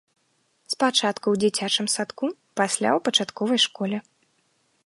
Спачатку ў дзіцячым садку, пасля ў пачатковай школе.